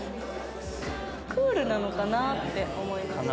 クールなのかなって思いました。